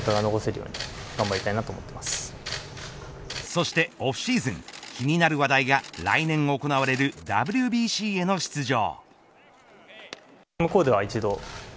そしてオフシーズン気になる話題が来年行われるＷＢＣへの出場。